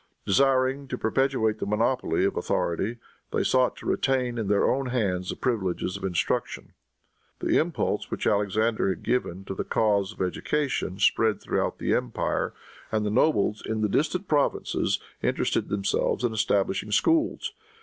Desiring to perpetuate the monopoly of authority, they sought to retain in their own hands the privileges of instruction. The impulse which Alexander had given to the cause of education spread throughout the empire, and the nobles, in the distant provinces, interested themselves in establishing schools.